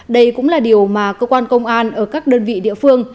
đây cũng là điều mà cơ quan công an ở các đơn vị địa phương